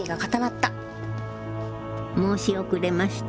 申し遅れました。